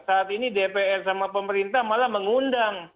saat ini dpr sama pemerintah malah mengundang